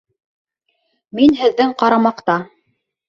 Мин һеҙҙең ҡарамаҡта.